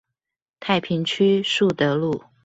太平區樹德路